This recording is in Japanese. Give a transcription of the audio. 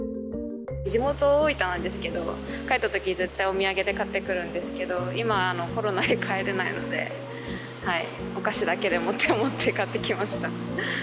地元、大分なんですけど、帰ったとき絶対お土産で買ってくるんですけど、今はコロナで帰れないので、お菓子だけでもと思って、買ってきました。